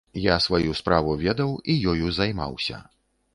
Я сваю справу ведаў і ёю займаўся.